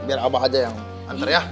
biar abah aja yang anter ya